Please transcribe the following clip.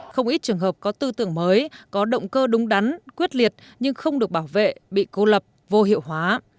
không ít trường hợp có tư tưởng mới có động cơ đúng đắn quyết liệt nhưng không được bảo vệ bị cô lập vô hiệu hóa